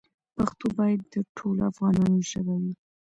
پښتو باید د ټولو افغانانو ژبه وي.